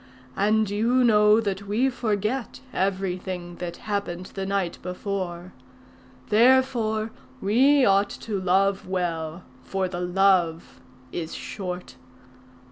And you know that we forget everything that happened the night before; therefore, we ought to love well, for the love is short.